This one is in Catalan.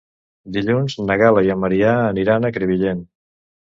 Dilluns na Gal·la i en Maria aniran a Crevillent.